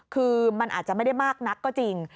คือมันอาจจะไม่ได้มากนักก็จริง